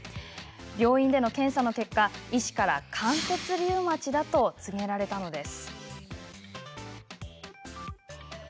病院での検査の結果医師から関節リウマチだと告げられたのです。